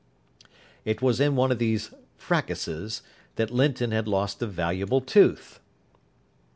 It was in one of these frakkuses that Linton had lost a valuable tooth.